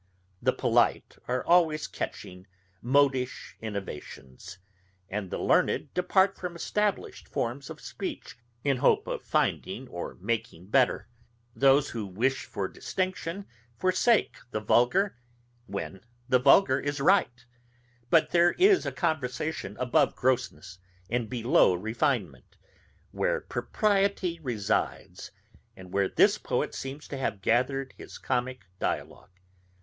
The polite are always catching modish innovations, and the learned depart from established forms of speech, in hope of finding or making better; those who wish for distinction forsake the vulgar, when the vulgar is right; but there is a conversation above grossness and below refinement, where propriety resides, and where this poet seems to have gathered his comick dialogue.